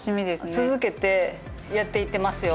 続けてやっていってますよ。